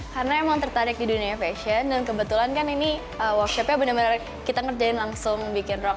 karena emang tertarik di dunia fashion dan kebetulan kan ini workshopnya benar benar kita ngerjain langsung bikin rock